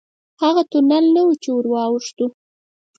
هغه تونل نه و چې ورواوښتو.